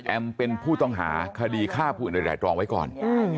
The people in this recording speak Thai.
เป็นผู้ต้องหาคดีฆ่าผู้อื่นโดยไหลตรองไว้ก่อน